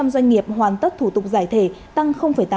một mươi ba sáu trăm linh doanh nghiệp hoàn tất thủ tục giải thể tăng tám